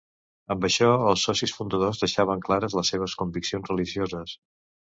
Amb això els socis fundadors deixaven clares les seves conviccions religioses.